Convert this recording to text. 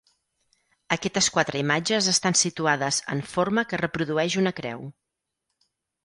Aquestes quatre imatges estan situades en forma que reprodueix una creu.